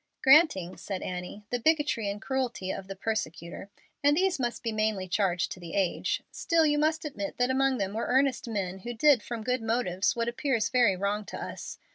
"Granting," said Annie, "the bigotry and cruelty of the persecutor and these must be mainly charged to the age still you must admit that among them were earnest men who did from good motives what appears very wrong to us.